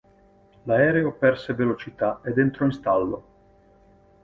L'aereo perse velocità ed entrò in stallo.